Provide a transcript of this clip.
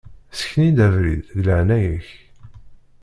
Ssken-iyi-d abrid, deg leεnaya-k.